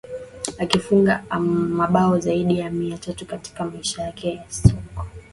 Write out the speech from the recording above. akifunga mabao zaidi ya mia tatu katika maisha yake ya soka